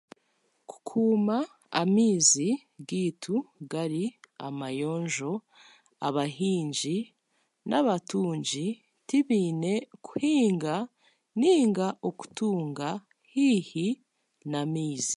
Kukuuma amaizi gaitu gari amayonjo, abahingi n'abatungi tibaine kuhinga nainga okutunga haihi n'amaizi.